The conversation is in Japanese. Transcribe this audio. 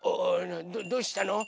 どうしたの？